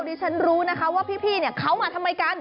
ดิฉันรู้นะคะว่าพี่เขามาทำไมกัน